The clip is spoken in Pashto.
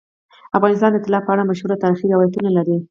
افغانستان د طلا په اړه مشهور تاریخی روایتونه لري.